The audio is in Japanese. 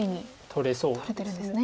取れそうです。